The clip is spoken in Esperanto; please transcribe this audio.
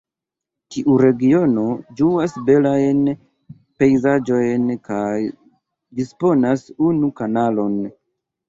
Tiu regiono ĝuas belajn pejzaĝojn kaj disponas unu kanalon.